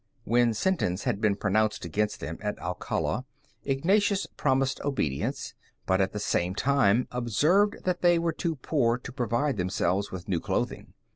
When sentence had been pronounced against them at Alcala, Ignatius promised obedience, but at the same time observed that they were too poor to provide themselves with new clothing.